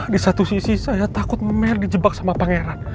di satu sisi saya takut memer dijebak sama pangeran